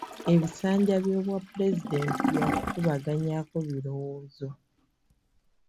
Ebisanja by'obwa pulezidenti byakukubaganyako birowoozo.